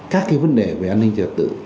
các cái vấn đề về an ninh trả tự